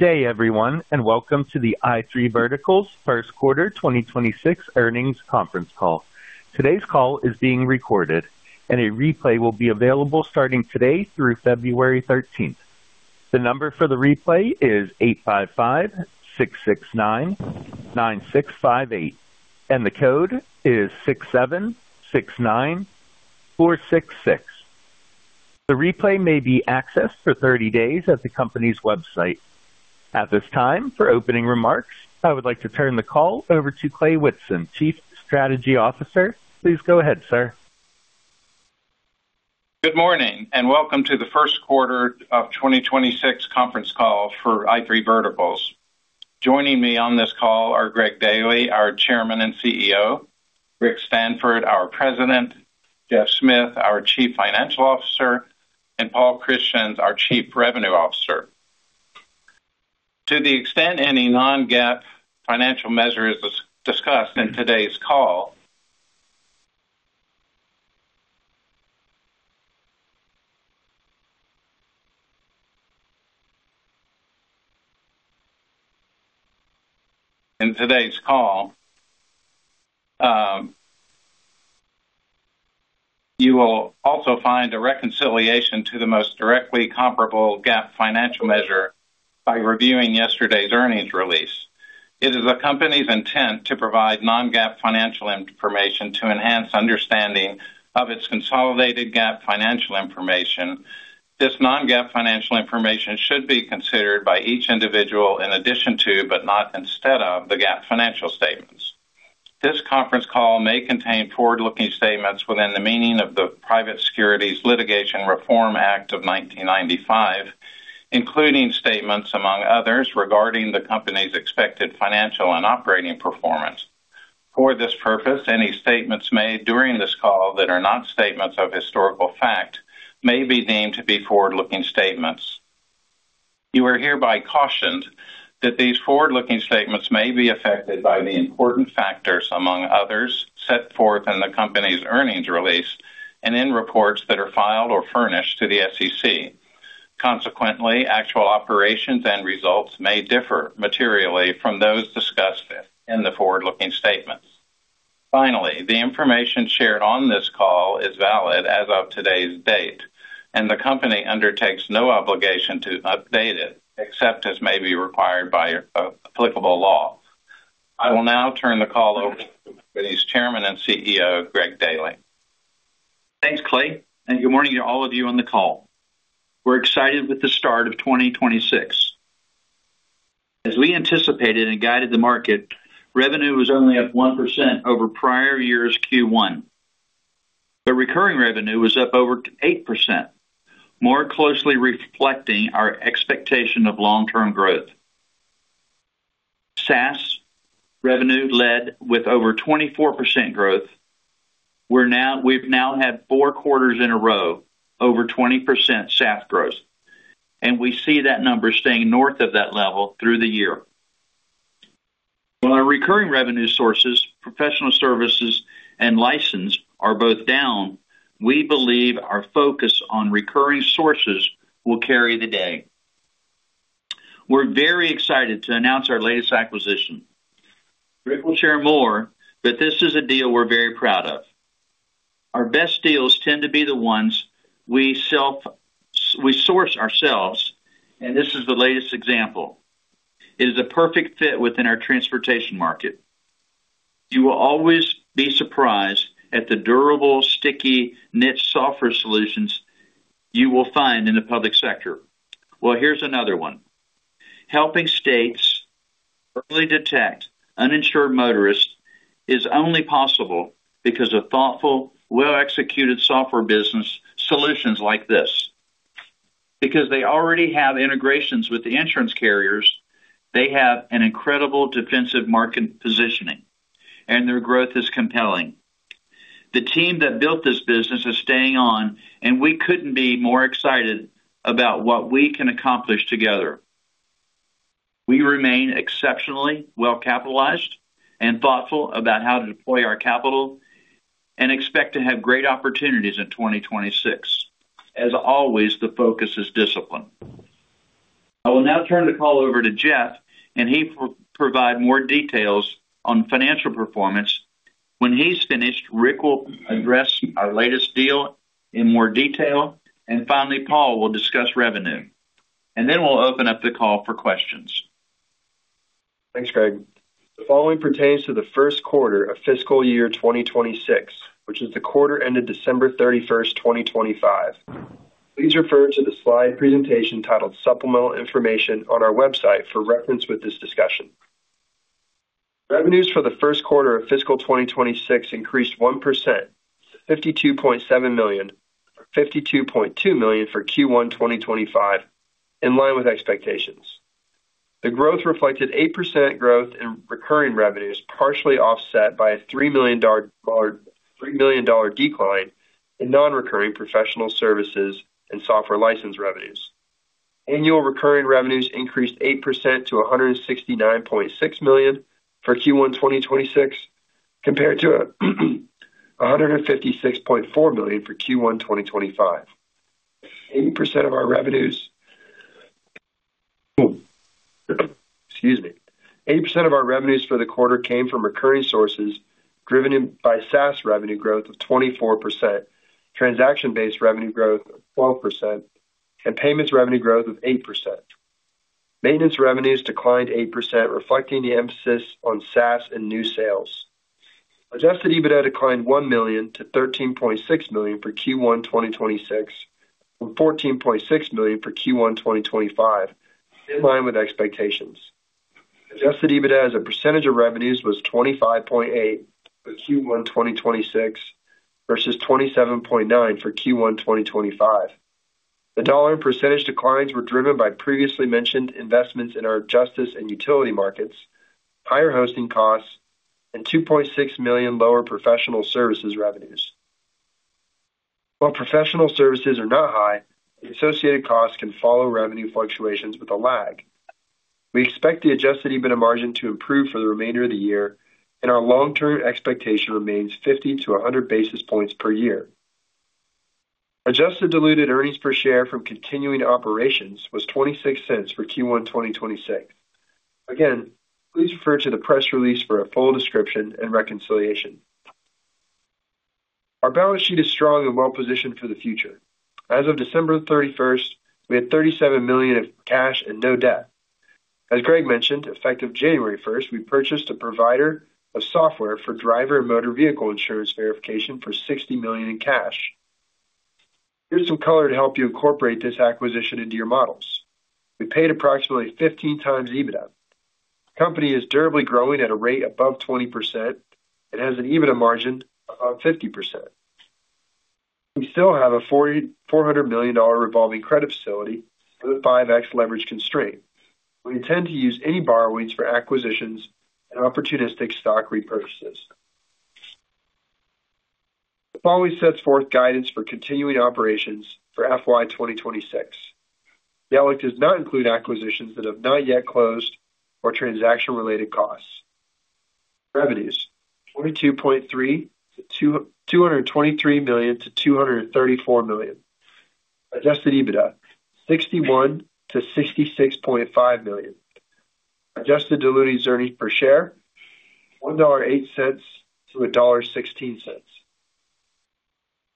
Good day, everyone, and welcome to the i3 Verticals first quarter 2026 earnings conference call. Today's call is being recorded, and a replay will be available starting today through February 13th. The number for the replay is 855-669-9658, and the code is 6769466. The replay may be accessed for 30 days at the company's website. At this time, for opening remarks, I would like to turn the call over to Clay Whitson, Chief Strategy Officer. Please go ahead, sir. Good morning and welcome to the first quarter of 2026 conference call for i3 Verticals. Joining me on this call are Greg Daily, our Chairman and CEO; Rick Stanford, our President; Geoff Smith, our Chief Financial Officer; and Paul Christians, our Chief Revenue Officer. To the extent any non-GAAP financial measures discussed in today's call, you will also find a reconciliation to the most directly comparable GAAP financial measure by reviewing yesterday's earnings release. It is the company's intent to provide non-GAAP financial information to enhance understanding of its consolidated GAAP financial information. This non-GAAP financial information should be considered by each individual in addition to, but not instead of, the GAAP financial statements. This conference call may contain forward-looking statements within the meaning of the Private Securities Litigation Reform Act of 1995, including statements, among others, regarding the company's expected financial and operating performance. For this purpose, any statements made during this call that are not statements of historical fact may be deemed to be forward-looking statements. You are hereby cautioned that these forward-looking statements may be affected by the important factors, among others, set forth in the company's earnings release and in reports that are filed or furnished to the SEC. Consequently, actual operations and results may differ materially from those discussed in the forward-looking statements. Finally, the information shared on this call is valid as of today's date, and the company undertakes no obligation to update it except as may be required by applicable law. I will now turn the call over to the company's Chairman and CEO, Greg Daily. Thanks, Clay, and good morning to all of you on the call. We're excited with the start of 2026. As we anticipated and guided the market, revenue was only up 1% over prior year's Q1, but recurring revenue was up over 8%, more closely reflecting our expectation of long-term growth. SaaS revenue led with over 24% growth. We've now had four quarters in a row over 20% SaaS growth, and we see that number staying north of that level through the year. While our recurring revenue sources, professional services, and license are both down, we believe our focus on recurring sources will carry the day. We're very excited to announce our latest acquisition. Rick will share more, but this is a deal we're very proud of. Our best deals tend to be the ones we source ourselves, and this is the latest example. It is a perfect fit within our transportation market. You will always be surprised at the durable, sticky, niche software solutions you will find in the public sector. Well, here's another one. Helping states early detect uninsured motorists is only possible because of thoughtful, well-executed software business solutions like this. Because they already have integrations with the insurance carriers, they have an incredible defensive market positioning, and their growth is compelling. The team that built this business is staying on, and we couldn't be more excited about what we can accomplish together. We remain exceptionally well-capitalized and thoughtful about how to deploy our capital and expect to have great opportunities in 2026. As always, the focus is discipline. I will now turn the call over to Geoff, and he will provide more details on financial performance. When he's finished, Rick will address our latest deal in more detail, and finally, Paul will discuss revenue. And then we'll open up the call for questions. Thanks, Greg. The following pertains to the first quarter of fiscal year 2026, which is the quarter ended December 31st, 2025. Please refer to the slide presentation titled Supplemental Information on our website for reference with this discussion. Revenues for the first quarter of fiscal 2026 increased 1% to $52.7 million from $52.2 million for Q1 2025, in line with expectations. The growth reflected 8% growth in recurring revenues, partially offset by a $3 million decline in non-recurring professional services and software license revenues. Annual recurring revenues increased 8% to $169.6 million for Q1 2026 compared to $156.4 million for Q1 2025. 80% of our revenues excuse me. 80% of our revenues for the quarter came from recurring sources driven by SaaS revenue growth of 24%, transaction-based revenue growth of 12%, and payments revenue growth of 8%. Maintenance revenues declined 8%, reflecting the emphasis on SaaS and new sales. Adjusted EBITDA declined $1 million-$13.6 million for Q1 2026, from $14.6 million for Q1 2025, in line with expectations. Adjusted EBITDA as a percentage of revenues was 25.8% for Q1 2026 versus 27.9% for Q1 2025. The dollar and percentage declines were driven by previously mentioned investments in our justice and utility markets, higher hosting costs, and $2.6 million lower professional services revenues. While professional services are not high, the associated costs can follow revenue fluctuations with a lag. We expect the adjusted EBITDA margin to improve for the remainder of the year, and our long-term expectation remains 50 to 100 basis points per year. Adjusted diluted earnings per share from continuing operations was $0.26 for Q1 2026. Again, please refer to the press release for a full description and reconciliation. Our balance sheet is strong and well-positioned for the future. As of December 31st, we had $37 million in cash and no debt. As Greg mentioned, effective January 1st, we purchased a provider of software for driver and motor vehicle insurance verification for $60 million in cash. Here's some color to help you incorporate this acquisition into your models. We paid approximately 15x EBITDA. The company is durably growing at a rate above 20% and has an EBITDA margin above 50%. We still have a $400 million revolving credit facility with a 5x leverage constraint. We intend to use any borrowings for acquisitions and opportunistic stock repurchases. The following sets forth guidance for continuing operations for FY 2026. The outlook does not include acquisitions that have not yet closed or transaction-related costs. Revenues: $223 million-$234 million. Adjusted EBITDA: $61 million-$66.5 million. Adjusted diluted earnings per share: $1.08-$1.16.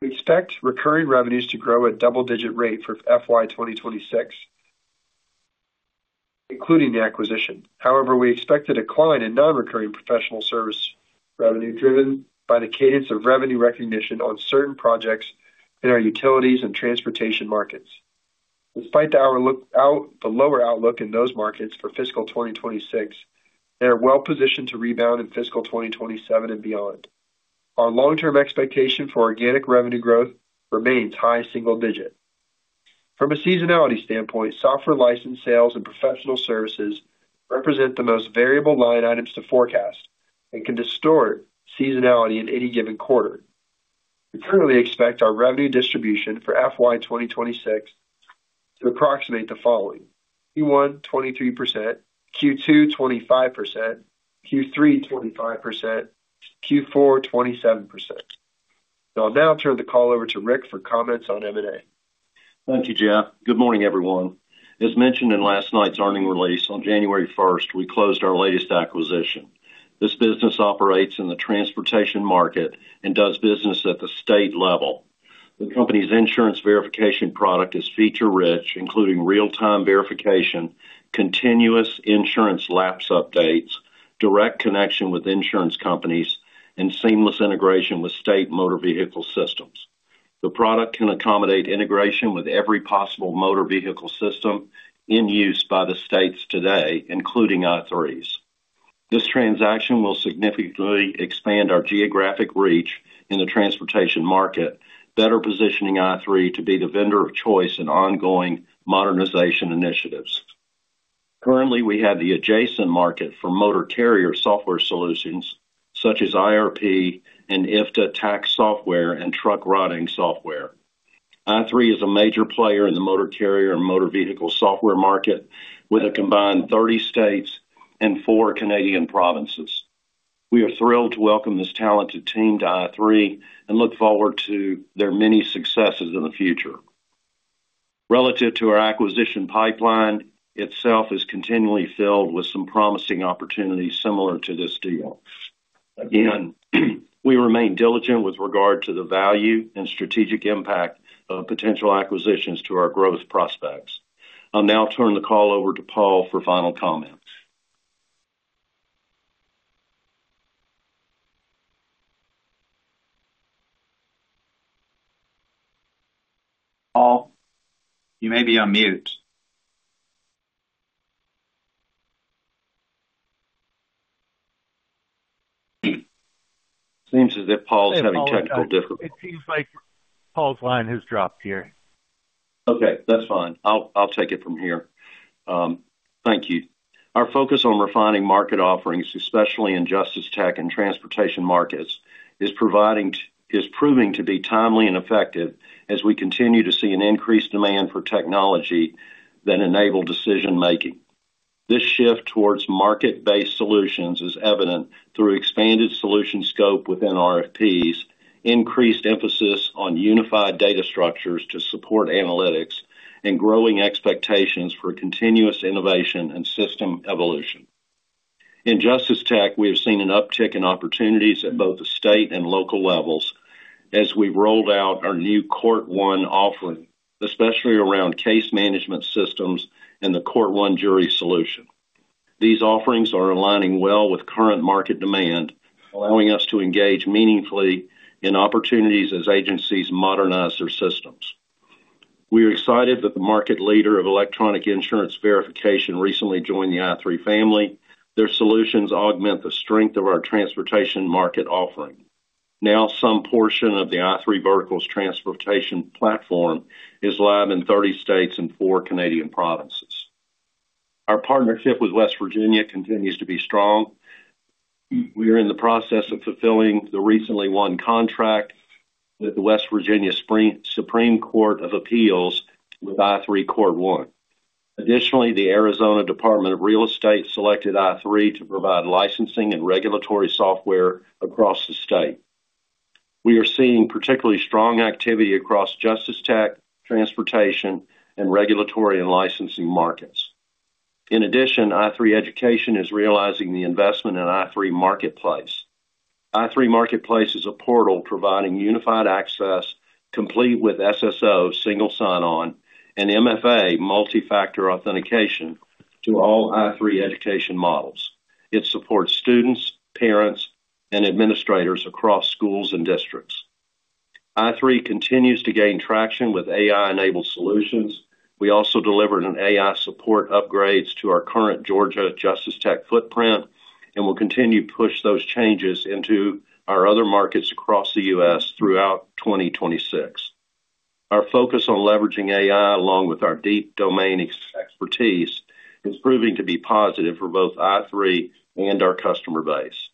We expect recurring revenues to grow at a double-digit rate for FY 2026, including the acquisition. However, we expect a decline in non-recurring professional service revenue driven by the cadence of revenue recognition on certain projects in our utilities and transportation markets. Despite the lower outlook in those markets for fiscal 2026, they are well-positioned to rebound in fiscal 2027 and beyond. Our long-term expectation for organic revenue growth remains high single-digit. From a seasonality standpoint, software license sales and professional services represent the most variable line items to forecast and can distort seasonality in any given quarter. We currently expect our revenue distribution for FY 2026 to approximate the following: Q1 23%, Q2 25%, Q3 25%, Q4 27%. I'll now turn the call over to Rick for comments on M&A. Thank you, Geoff. Good morning, everyone. As mentioned in last night's earnings release, on January 1st, we closed our latest acquisition. This business operates in the transportation market and does business at the state level. The company's insurance verification product is feature-rich, including real-time verification, continuous insurance lapse updates, direct connection with insurance companies, and seamless integration with state motor vehicle systems. The product can accommodate integration with every possible motor vehicle system in use by the states today, including i3's. This transaction will significantly expand our geographic reach in the transportation market, better positioning i3 to be the vendor of choice in ongoing modernization initiatives. Currently, we have the adjacent market for motor carrier software solutions such as IRP and IFTA tax software and truck routing software. i3 is a major player in the motor carrier and motor vehicle software market with a combined 30 states and four Canadian provinces. We are thrilled to welcome this talented team to i3 and look forward to their many successes in the future. Relative to our acquisition pipeline, itself is continually filled with some promising opportunities similar to this deal. Again, we remain diligent with regard to the value and strategic impact of potential acquisitions to our growth prospects. I'll now turn the call over to Paul for final comments. Paul, you may be on mute. Seems as if Paul's having technical difficulty. It seems like Paul's line has dropped here. Okay. That's fine. I'll take it from here. Thank you. Our focus on refining market offerings, especially in justice tech and transportation markets, is proving to be timely and effective as we continue to see an increased demand for technology that enable decision-making. This shift towards market-based solutions is evident through expanded solution scope within RFPs, increased emphasis on unified data structures to support analytics, and growing expectations for continuous innovation and system evolution. In justice tech, we have seen an uptick in opportunities at both the state and local levels as we've rolled out our new CourtOne offering, especially around case management systems and the CourtOne jury solution. These offerings are aligning well with current market demand, allowing us to engage meaningfully in opportunities as agencies modernize their systems. We are excited that the market leader of electronic insurance verification recently joined the i3 family. Their solutions augment the strength of our transportation market offering. Now, some portion of the i3 Verticals Transportation Platform is live in 30 states and four Canadian provinces. Our partnership with West Virginia continues to be strong. We are in the process of fulfilling the recently won contract with the West Virginia Supreme Court of Appeals with i3 CourtOne. Additionally, the Arizona Department of Real Estate selected i3 to provide licensing and regulatory software across the state. We are seeing particularly strong activity across justice tech, transportation, and regulatory and licensing markets. In addition, i3 Education is realizing the investment in i3 Marketplace. i3 Marketplace is a portal providing unified access, complete with SSO single sign-on and MFA multifactor authentication to all i3 education modules. It supports students, parents, and administrators across schools and districts. i3 continues to gain traction with AI-enabled solutions. We also delivered an AI support upgrade to our current Georgia justice tech footprint and will continue to push those changes into our other markets across the U.S. throughout 2026. Our focus on leveraging AI, along with our deep domain expertise, is proving to be positive for both i3 and our customer base.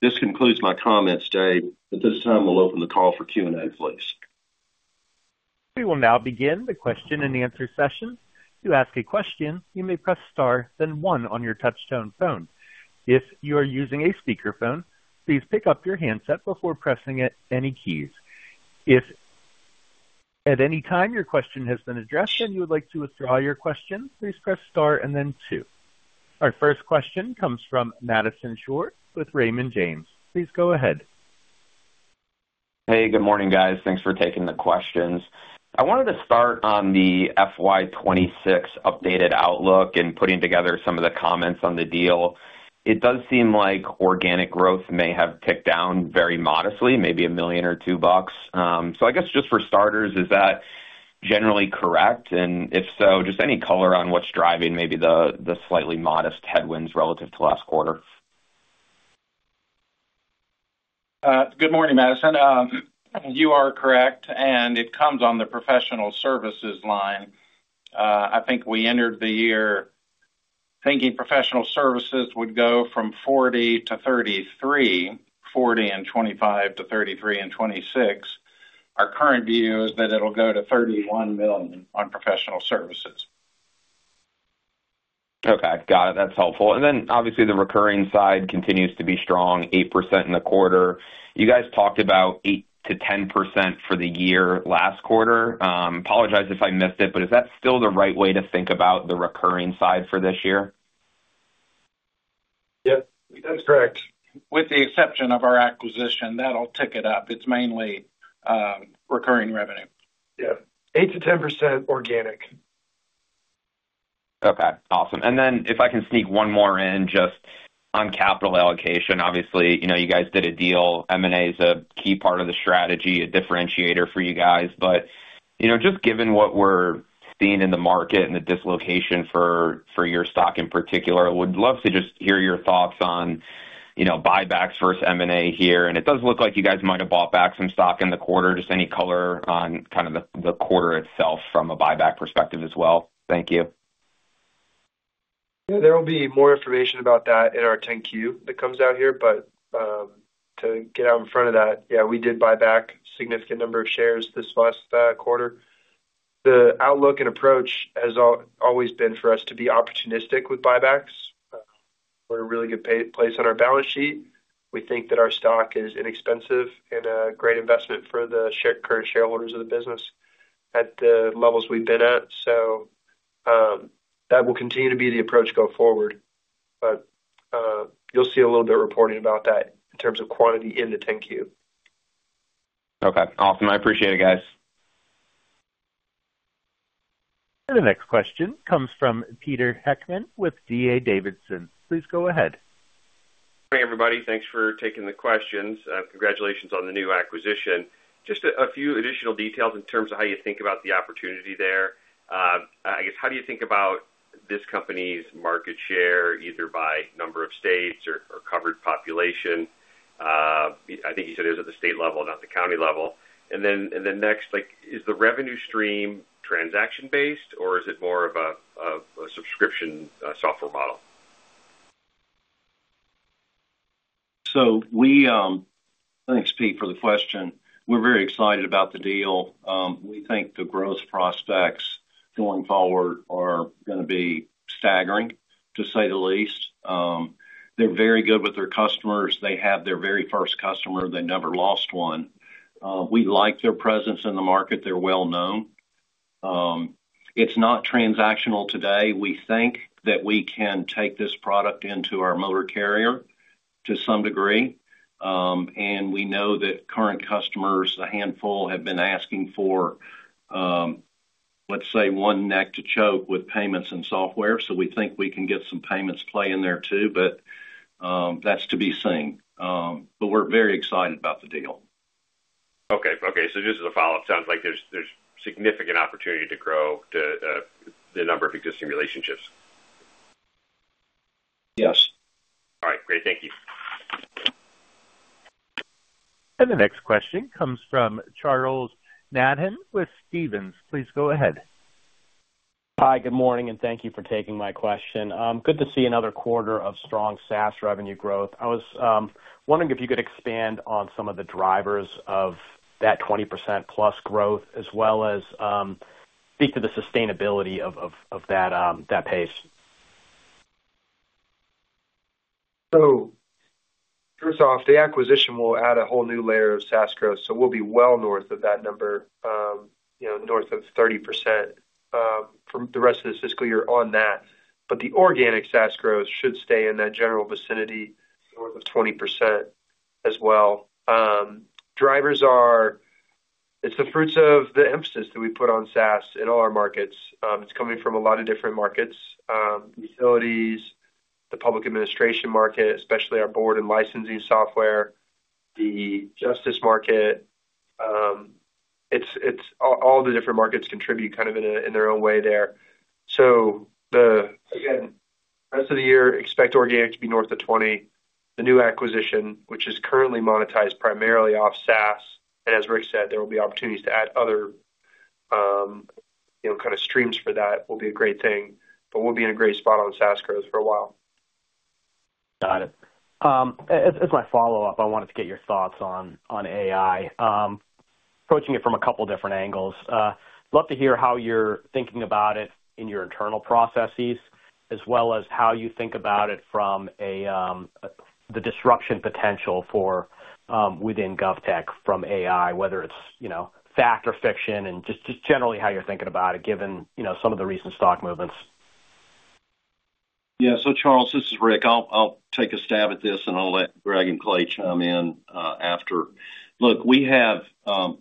This concludes my comments, Dave. At this time, we'll open the call for Q&A, please. We will now begin the question and answer session. To ask a question, you may press star, then one on your touch-tone phone. If you are using a speakerphone, please pick up your handset before pressing any keys. If at any time your question has been addressed and you would like to withdraw your question, please press star and then two. Our first question comes from Madison Schurr with Raymond James. Please go ahead. Hey, good morning, guys. Thanks for taking the questions. I wanted to start on the FY 2026 updated outlook and putting together some of the comments on the deal. It does seem like organic growth may have ticked down very modestly, maybe $1 million or $2 million. So I guess just for starters, is that generally correct? And if so, just any color on what's driving maybe the slightly modest headwinds relative to last quarter? Good morning, Madison. You are correct, and it comes on the professional services line. I think we entered the year thinking professional services would go from $40-$33, $40 and $25-$33 and $26. Our current view is that it'll go to $31 million on professional services. Okay. Got it. That's helpful. And then obviously, the recurring side continues to be strong, 8% in the quarter. You guys talked about 8%-10% for the year last quarter. I apologize if I missed it, but is that still the right way to think about the recurring side for this year? Yep. That's correct. With the exception of our acquisition, that'll tick it up. It's mainly recurring revenue. Yeah. 8%-10% organic. Okay. Awesome. And then if I can sneak one more in just on capital allocation. Obviously, you guys did a deal. M&A is a key part of the strategy, a differentiator for you guys. But just given what we're seeing in the market and the dislocation for your stock in particular, I would love to just hear your thoughts on buybacks versus M&A here. And it does look like you guys might have bought back some stock in the quarter. Just any color on kind of the quarter itself from a buyback perspective as well. Thank you. Yeah. There'll be more information about that in our 10-Q that comes out here. But to get out in front of that, yeah, we did buy back a significant number of shares this last quarter. The outlook and approach has always been for us to be opportunistic with buybacks. We're in a really good place on our balance sheet. We think that our stock is inexpensive and a great investment for the current shareholders of the business at the levels we've been at. So that will continue to be the approach going forward. But you'll see a little bit reporting about that in terms of quantity in the 10-Q. Okay. Awesome. I appreciate it, guys. The next question comes from Peter Heckman with D.A. Davidson. Please go ahead. Good morning, everybody. Thanks for taking the questions. Congratulations on the new acquisition. Just a few additional details in terms of how you think about the opportunity there. I guess, how do you think about this company's market share, either by number of states or covered population? I think you said it was at the state level, not the county level. And then next, is the revenue stream transaction-based, or is it more of a subscription software model? So thanks, Pete, for the question. We're very excited about the deal. We think the growth prospects going forward are going to be staggering, to say the least. They're very good with their customers. They have their very first customer. They never lost one. We like their presence in the market. They're well-known. It's not transactional today. We think that we can take this product into our motor carrier to some degree. And we know that current customers, a handful, have been asking for, let's say, one neck to choke with payments and software. So we think we can get some payments play in there too, but that's to be seen. But we're very excited about the deal. Okay. Okay. So just as a follow-up, sounds like there's significant opportunity to grow the number of existing relationships. Yes. All right. Great. Thank you. The next question comes from Charles Nabhan with Stephens. Please go ahead. Hi. Good morning, and thank you for taking my question. Good to see another quarter of strong SaaS revenue growth. I was wondering if you could expand on some of the drivers of that 20%+ growth as well as speak to the sustainability of that pace. So first off, the acquisition will add a whole new layer of SaaS growth. So we'll be well north of that number, north of 30% from the rest of the fiscal year on that. But the organic SaaS growth should stay in that general vicinity, north of 20% as well. It's the fruits of the emphasis that we put on SaaS in all our markets. It's coming from a lot of different markets: utilities, the public administration market, especially our board and licensing software, the justice market. All the different markets contribute kind of in their own way there. So again, the rest of the year, expect organic to be north of 20%. The new acquisition, which is currently monetized primarily off SaaS, and as Rick said, there will be opportunities to add other kind of streams for that, will be a great thing. But we'll be in a great spot on SaaS growth for a while. Got it. As my follow-up, I wanted to get your thoughts on AI, approaching it from a couple of different angles. Love to hear how you're thinking about it in your internal processes, as well as how you think about it from the disruption potential within GovTech from AI, whether it's fact or fiction, and just generally how you're thinking about it given some of the recent stock movements. Yeah. So Charles, this is Rick. I'll take a stab at this, and I'll let Greg and Clay chime in after. Look, we have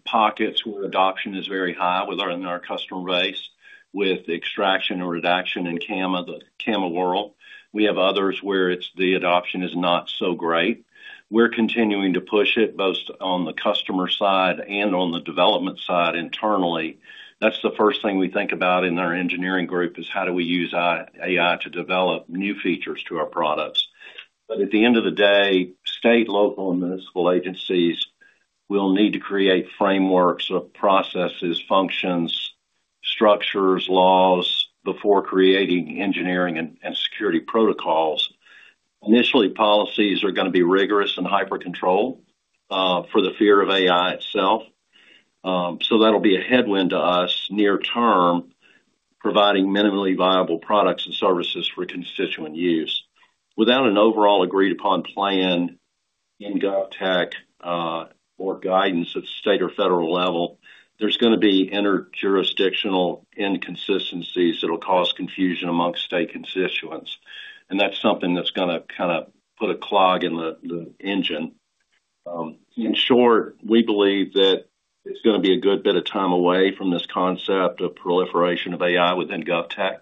pockets where adoption is very high within our customer base with extraction or redaction in the CAMA world. We have others where the adoption is not so great. We're continuing to push it both on the customer side and on the development side internally. That's the first thing we think about in our engineering group is how do we use AI to develop new features to our products. But at the end of the day, state, local, and municipal agencies will need to create frameworks of processes, functions, structures, laws before creating engineering and security protocols. Initially, policies are going to be rigorous and hyper-controlled for the fear of AI itself. So that'll be a headwind to us near-term, providing minimally viable products and services for constituent use. Without an overall agreed-upon plan in GovTech or guidance at state or federal level, there's going to be interjurisdictional inconsistencies that'll cause confusion amongst state constituents. And that's something that's going to kind of put a clog in the engine. In short, we believe that it's going to be a good bit of time away from this concept of proliferation of AI within GovTech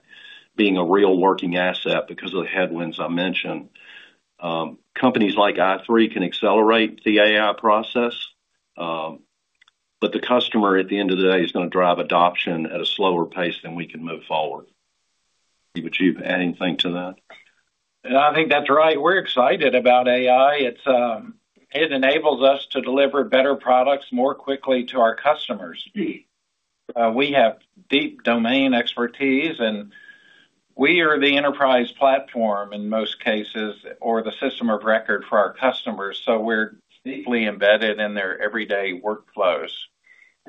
being a real working asset because of the headwinds I mentioned. Companies like i3 can accelerate the AI process, but the customer, at the end of the day, is going to drive adoption at a slower pace than we can move forward. Would you add anything to that? I think that's right. We're excited about AI. It enables us to deliver better products more quickly to our customers. We have deep domain expertise, and we are the enterprise platform in most cases or the system of record for our customers. So we're deeply embedded in their everyday workflows.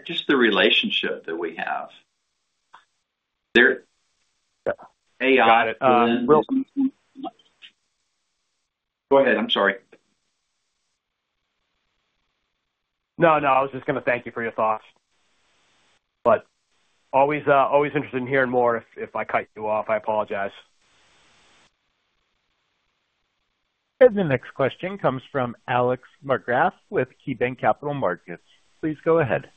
Just the relationship that we have. AI. Got it. Will. Go ahead. I'm sorry. No, no. I was just going to thank you for your thoughts. But always interested in hearing more. If I cut you off, I apologize. The next question comes from Alex Markgraff with KeyBanc Capital Markets. Please go ahead.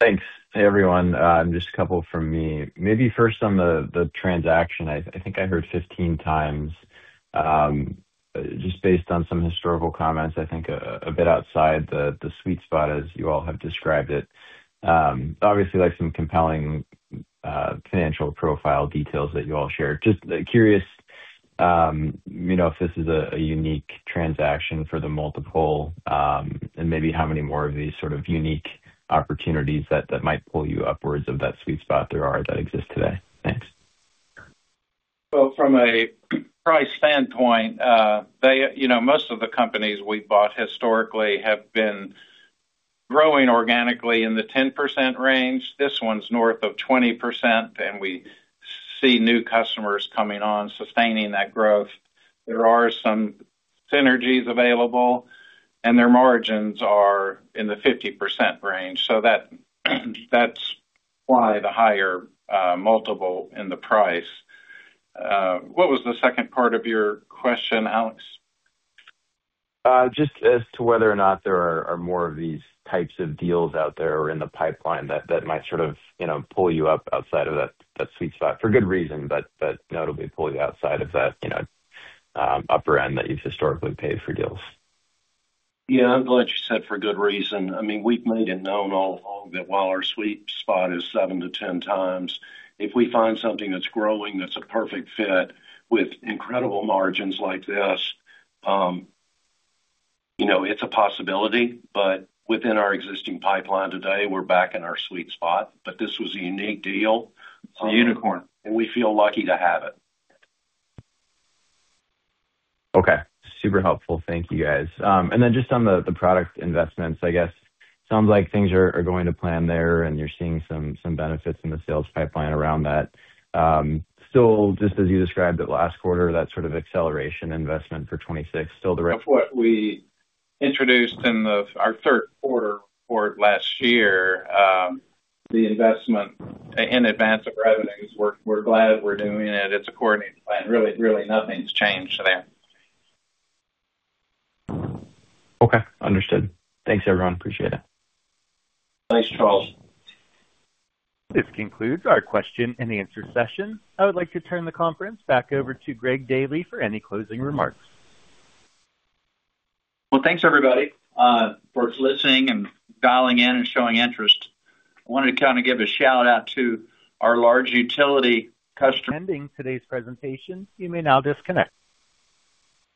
Thanks, everyone. Just a couple from me. Maybe first on the transaction. I think I heard 15x just based on some historical comments, I think a bit outside the sweet spot as you all have described it. Obviously, some compelling financial profile details that you all shared. Just curious if this is a unique transaction for the multiple and maybe how many more of these sort of unique opportunities that might pull you upwards of that sweet spot there are that exist today. Thanks. Well, from a price standpoint, most of the companies we've bought historically have been growing organically in the 10% range. This one's north of 20%, and we see new customers coming on sustaining that growth. There are some synergies available, and their margins are in the 50% range. So that's why the higher multiple in the price. What was the second part of your question, Alex? Just as to whether or not there are more of these types of deals out there or in the pipeline that might sort of pull you up outside of that sweet spot for good reason, but notably pull you outside of that upper end that you've historically paid for deals? Yeah. I'm glad you said for good reason. I mean, we've made it known all along that while our sweet spot is 7x-10x, if we find something that's growing that's a perfect fit with incredible margins like this, it's a possibility. But within our existing pipeline today, we're back in our sweet spot. But this was a unique deal. It's a unicorn. We feel lucky to have it. Okay. Super helpful. Thank you, guys. And then just on the product investments, I guess it sounds like things are going to plan there, and you're seeing some benefits in the sales pipeline around that. Still, just as you described it last quarter, that sort of acceleration investment for 2026, still the. Of what we introduced in our third quarter report last year, the investment in advance of revenues. We're glad we're doing it. It's a coordinated plan. Really, nothing's changed there. Okay. Understood. Thanks, everyone. Appreciate it. Thanks, Charles. This concludes our question and answer session. I would like to turn the conference back over to Greg Daily for any closing remarks. Well, thanks, everybody, for listening and dialing in and showing interest. I wanted to kind of give a shout-out to our large utility customer. Ending today's presentation. You may now disconnect.